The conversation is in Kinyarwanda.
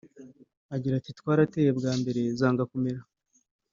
Agira ati “Twarateye bwa mbere zanga kumera